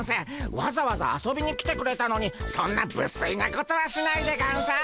わざわざ遊びに来てくれたのにそんなぶすいなことはしないでゴンス。